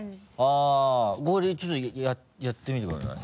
あぁこれちょっとやってみてください。